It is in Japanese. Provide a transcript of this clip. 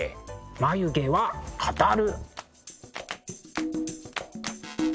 「眉毛は語る」。